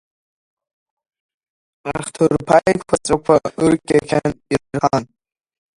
Ахҭырԥа еиқәаҵәақәа ырқьақьан ирхан.